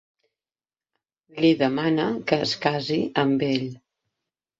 Li demana que es casi amb ell.